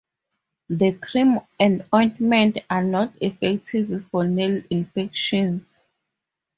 The cream and ointment are not effective for nail infections.